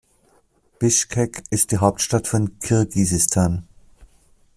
Bischkek ist die Hauptstadt von Kirgisistan.